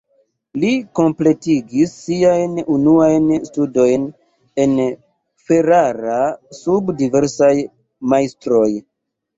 Li kompletigis siajn unuajn studojn en Ferrara sub diversaj majstroj.